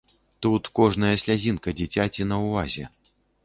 Тут кожная слязінка дзіцяці на ўвазе.